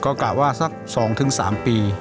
ก็กะว่าสัก๒๓ปี